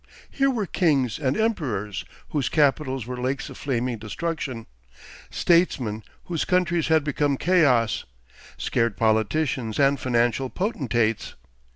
Here were kings and emperors whose capitals were lakes of flaming destruction, statesmen whose countries had become chaos, scared politicians and financial potentates.